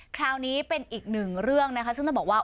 คราวนี้เป็นอีกหนึ่งเรื่องนะคะซึ่งต้องบอกว่า